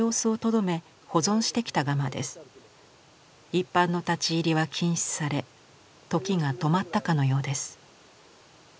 一般の立ち入りは禁止され時が止まったかのようです。